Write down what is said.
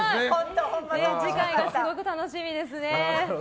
次回がすごく楽しみですね。